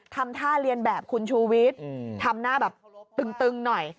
ทำท่าเรียนแบบคุณชูวิทย์ทำหน้าแบบตึงหน่อย